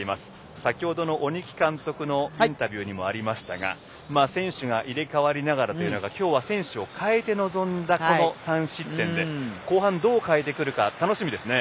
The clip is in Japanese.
先ほどの鬼木監督のインタビューにもありましたが選手が入れ代わりながらきょうは選手を代えて臨んだこの３失点で後半、どう変えてくるか楽しみですね。